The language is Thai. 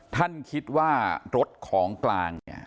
ท่านคิดว่ารถของกลาง